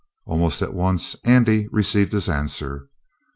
Almost at once Andy received his answer.